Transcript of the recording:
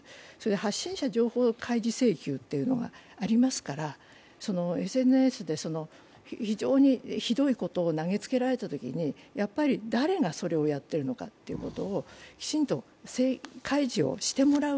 発信者情報開示請求というのがありますから、ＳＮＳで非常にひどいことを投げつけられたときに、誰がそれをやっているのかということをきちんと開示をしてもらう。